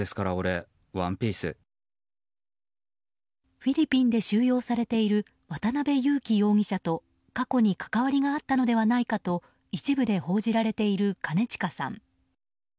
フィリピンで収容されている渡辺優樹容疑者と過去に関わりがあったのではないかと一部で報じられている兼近さん。